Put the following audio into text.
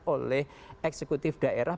oleh eksekutif daerah